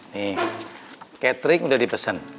nih ketrik udah dipesen